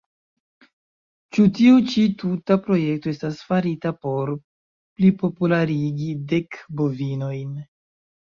Ĉu tiu ĉi tuta projekto estas farita por plipopularigi Dek Bovinojn?